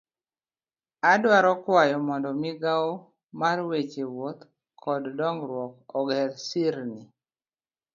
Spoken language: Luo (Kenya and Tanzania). Adwaro kwayo mondo migao mar weche wuoth kod dongruok oger sirni.